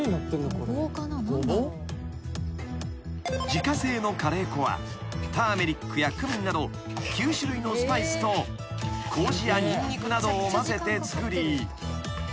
［自家製のカレー粉はターメリックやクミンなど９種類のスパイスとこうじやニンニクなどを混ぜて作り］